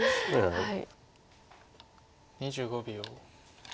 ２５秒。